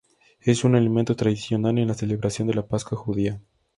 Es un alimento tradicional en la celebración de la "Pascua Judía".